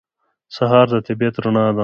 سهار د طبیعت رڼا ده.